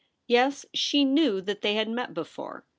Yes, she knew that they had met before.